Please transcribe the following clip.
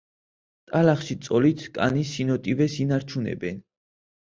ტალახში წოლით კანის სინოტივეს ინარჩუნებენ.